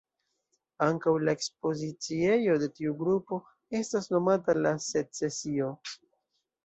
Ankaŭ la ekspoziciejo de tiu grupo estas nomata "La Secesio".